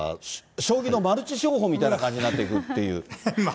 将棋のマルチ商法みたいな感じになっていくという。